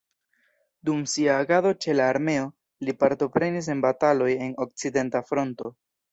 Dum sia agado ĉe la armeo li partoprenis en bataloj en okcidenta fronto.